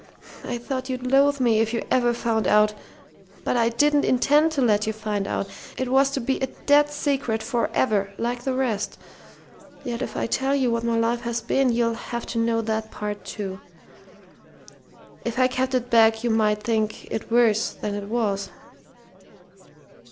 I thought you'd loathe me if you ever found out. But I didn't intend to let you find out. It was to be a dead secret forever, like the rest. Yet if I tell you what my life has been you'll have to know that part, too. If I kept it back you might think it worse than it was."